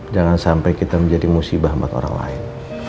jangan sampai kita menjadi musibah buat orang lain